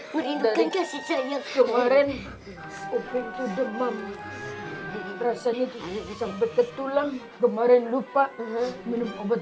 merindukan kasih sayang kemarin opin itu demam rasanya sampai ketulang kemarin lupa minum obat